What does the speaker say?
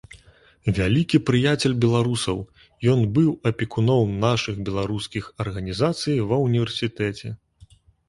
Вялікі прыяцель беларусаў, ён быў апекуном нашых беларускіх арганізацый ва ўніверсітэце.